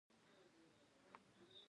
کیمیا د انسان د دروني کمال سمبول و.